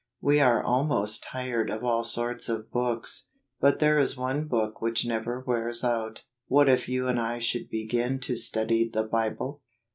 We are almost tired of all sorts of books, but there is one Book which never wears out. What if you and I should be¬ gin to study the Bible